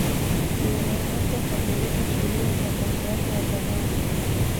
lionel messi akapeleka kilio kwa kocha wake wa zamani